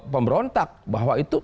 pemberontak bahwa itu